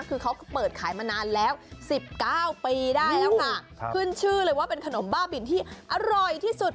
คือเขาเปิดขายมานานแล้วสิบเก้าปีได้แล้วค่ะขึ้นชื่อเลยว่าเป็นขนมบ้าบินที่อร่อยที่สุด